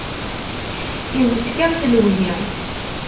Iwwet kan s lehwi.